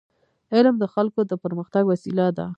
علم د خلکو د پرمختګ وسیله ده.